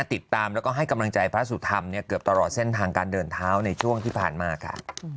ติดตามแล้วก็ให้กำลังใจพระสุธรรมเนี่ยเกือบตลอดเส้นทางการเดินเท้าในช่วงที่ผ่านมาค่ะ